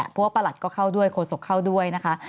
เพราะว่าประหลัดก็เข้าด้วยโฆษกเข้าด้วยนะคะ